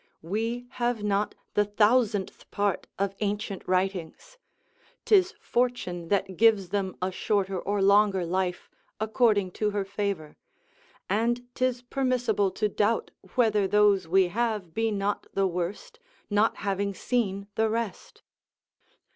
We have not the thousandth part of ancient writings; 'tis fortune that gives them a shorter or longer life, according to her favour; and 'tis permissible to doubt whether those we have be not the worst, not having seen the rest.